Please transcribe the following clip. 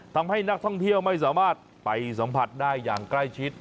ทำให้นักท่องเที่ยวไม่สามารถไปสัมผัสได้อย่างใกล้ชิด